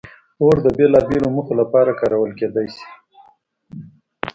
اور د بېلابېلو موخو لپاره کارول کېدی شي.